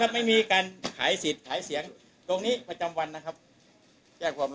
แล้วมันมีหมดอายุหรือครับเหลือจากครับ